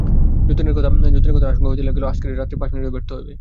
যতীনের আশঙ্কা হইতে লাগিল, আজকের রাত্রের পাঁচ মিনিটও ব্যর্থ হইবে।